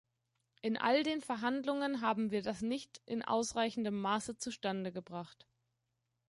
In all den Verhandlungen haben wir das nicht in ausreichendem Maße zustande gebracht.